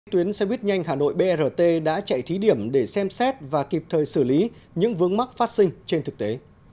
tuyến xe buýt nhanh hà nội brt đã chạy thí điểm để xem xét và kịp thời xử lý những vướng mắc phát sinh trên thực tế